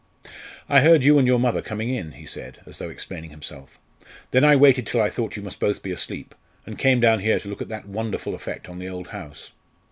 "I heard you and your mother come in," he said, as though explaining himself. "Then I waited till I thought you must both be asleep, and came down here to look at that wonderful effect on the old house."